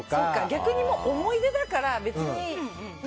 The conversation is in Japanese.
逆にもう思い出だから別に。